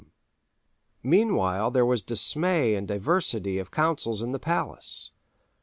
_ Meanwhile there was dismay and diversity of councils in the Palace.